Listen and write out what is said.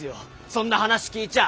そんな話聞いちゃ。